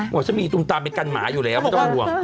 ผมว่าฉันมีอีตุงตามด้วยกันหมาอยู่แล้ว